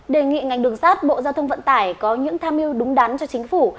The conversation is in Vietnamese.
đề nghị ngành đường sát bộ giao thông vận tải có những tham mưu đúng đắn cho chính phủ